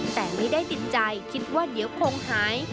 แต่ไม่ได้ติดใจคิดว่าเดี๋ยวคงหาย